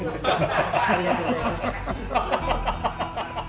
ありがとうございます。